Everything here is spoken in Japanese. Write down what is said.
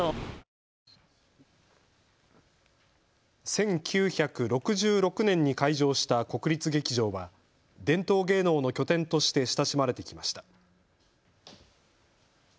１９６６年に開場した国立劇場は伝統芸能の拠点として親しまれてきました。